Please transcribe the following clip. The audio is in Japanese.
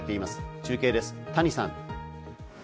中継です、谷さん。